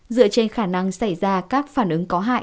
dựa trên khả năng xảy ra các phản ứng có hại